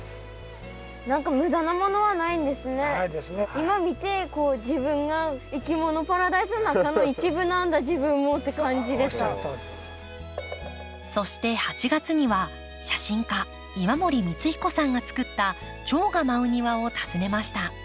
今見てそして８月には写真家今森光彦さんが作ったチョウが舞う庭を訪ねました。